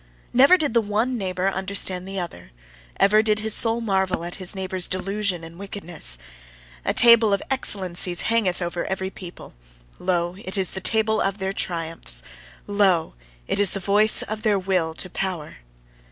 Never did the one neighbour understand the other: ever did his soul marvel at his neighbour's delusion and wickedness. A table of excellencies hangeth over every people. Lo! it is the table of their triumphs; lo! it is the voice of their Will to Power.